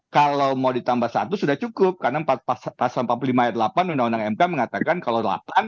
kalau mau ditambah satu sudah cukup karena pasal empat puluh lima ayat delapan undang undang mk mengatakan kalau delapan